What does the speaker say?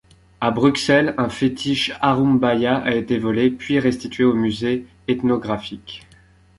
À Bruxelles, un fétiche arumbaya a été volé, puis restitué au Musée ethnographique.